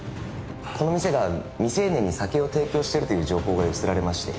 この店が未成年に酒を提供しているという情報が寄せられまして。